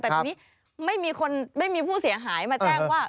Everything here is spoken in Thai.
แต่ทีนี้ไม่มีผู้เสียหายมาแจ้งว่า